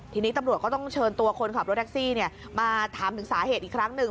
ทีนี้ตำรวจก็ต้องเชิญตัวคนขับรถแท็กซี่มาถามถึงสาเหตุอีกครั้งหนึ่ง